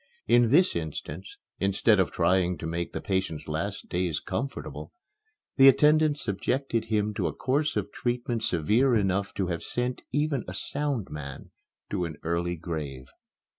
In this instance, instead of trying to make the patient's last days comfortable, the attendants subjected him to a course of treatment severe enough to have sent even a sound man to an early grave.